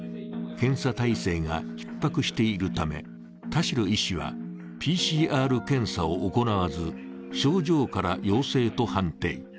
検査体制がひっ迫しているため、田代医師はＰＣＲ検査を行わず、症状から陽性と判定。